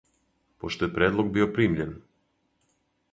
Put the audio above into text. Пошто је предлог био примљен